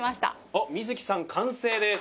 おっ実月さん完成です。